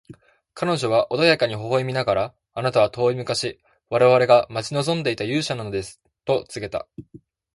彼女は穏やかに微笑みながら、「あなたは遠い昔、我々が待ち望んでいた勇者なのです」と告げた。